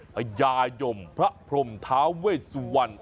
พญายมพระพรมท้าเวสวรรณ